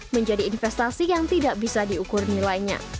menjadi investasi yang tidak bisa diukur nilainya